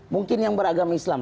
mungkin yang beragama islam